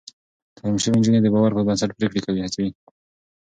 تعليم شوې نجونې د باور پر بنسټ پرېکړې هڅوي.